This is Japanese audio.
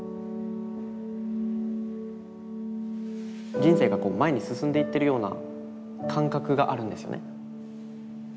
人生が前に進んでいってるような感覚があるんですよね。